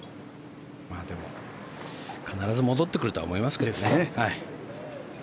でも、必ず戻ってくるとは思いますけどね。